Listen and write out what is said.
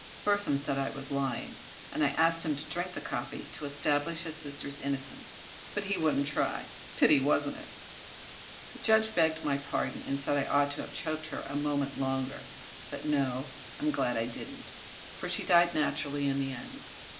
Burthon said I was lying and I asked him to drink the coffee to establish his sister's innocence. But he wouldn't. Pity, wasn't it? The judge begged my pardon and said I ought to have choked her a moment longer. But no; I'm glad I didn't, for she died naturally in the end.